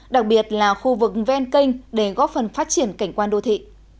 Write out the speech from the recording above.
đặc biệt là khu vực ven kênh để góp phần phát triển cảnh quan đô thị